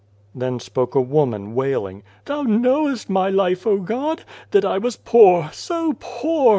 Then spoke a woman, wailing :" Thou knowest my life, O God ! that I was poor so poor